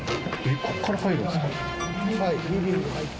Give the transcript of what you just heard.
ここから入るんですか？